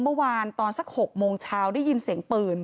เมื่อวานตอนสัก๖โมงเช้าได้ยินเสียงปืน